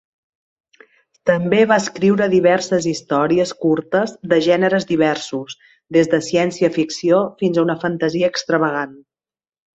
També va escriure diverses històries curtes de gèneres diversos, des de ciència-ficció fins a una fantasia extravagant.